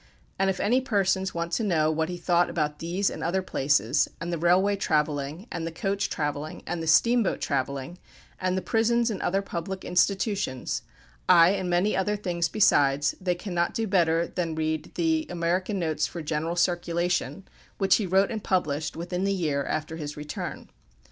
And if any persons want to know what he thought about these and other places, and the railway travelling, and the coach travelling, and the steamboat travelling, and the prisons and other public institutions aye, and many other things besides, they cannot do better than read the "American Notes for general circulation," which he wrote and published within the year after his return.